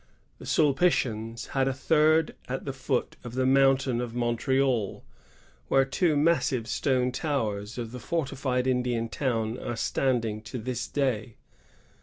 The Sulpitians had a third at the foot of the mountain of Montreal, where two massive stone towers of the fortified Indian town are standing to this day.